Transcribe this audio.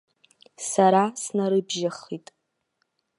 Сара снарыбжьаххит.